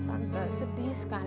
tante sedih sekali